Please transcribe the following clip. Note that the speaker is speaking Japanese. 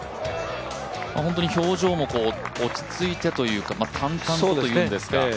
本当に表情も落ち着いてというか淡々とというんですか。